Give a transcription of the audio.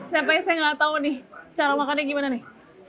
saya pese nggak tahu nih cara makannya gimana nih